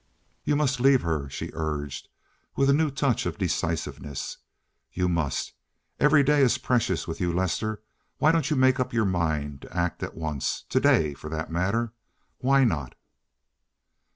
"You must leave her," she urged, with a new touch of decisiveness. "You must. Every day is precious with you, Lester! Why don't you make up your mind to act at once—to day, for that matter? Why not?"